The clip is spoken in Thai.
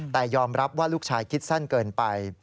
แต่ยอมรับว่าลูกชายคิดสั้นเกินไป